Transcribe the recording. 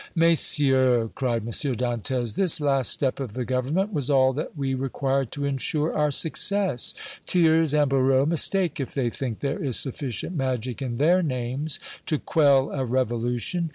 "Messieurs!" cried M. Dantès, "this last step of the Government was all that we required to insure our success. Thiers and Barrot mistake if they think there is sufficient magic in their names to quell a revolution.